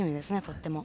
とっても。